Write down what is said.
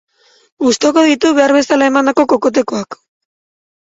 Gustuko ditu behar bezala emandako kokotekoak.